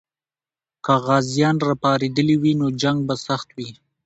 که غازیان راپارېدلي وي، نو جنګ به سخت وي.